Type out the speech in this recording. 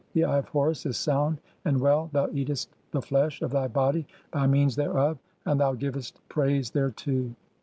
The Eye of Horus "is sound and well, thou eatest the flesh (?) of thy body by means "thereof, and thou givest praise (?) thereto.